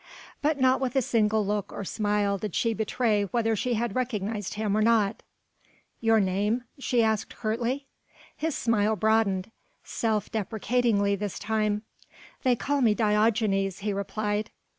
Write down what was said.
But not with a single look or smile did she betray whether she had recognized him or not. "Your name?" she asked curtly. His smile broadened self deprecatingly this time. "They call me Diogenes," he replied.